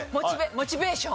モチベーション。